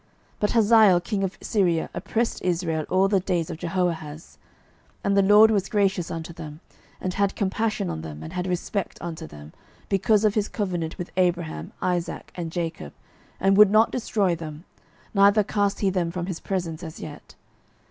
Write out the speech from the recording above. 12:013:022 But Hazael king of Syria oppressed Israel all the days of Jehoahaz. 12:013:023 And the LORD was gracious unto them, and had compassion on them, and had respect unto them, because of his covenant with Abraham, Isaac, and Jacob, and would not destroy them, neither cast he them from his presence as yet.